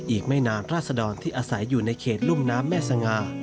อีกไม่นานราษดรที่อาศัยอยู่ในเขตรุ่มน้ำแม่สง่า